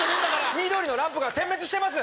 緑のランプが点滅してます！